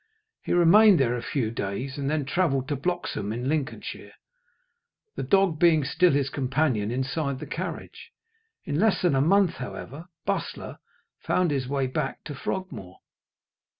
He remained there a few days, and then travelled to Bloxholm in Lincolnshire, the dog being still his companion inside the carriage. In less than a month, however, Bustler found his way back to Frogmore.